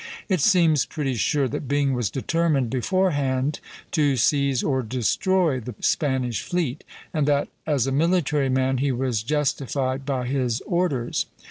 It seems pretty sure that Byng was determined beforehand to seize or destroy the Spanish fleet, and that as a military man he was justified by his orders.